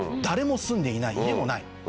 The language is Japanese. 誰も住んでいない家もない。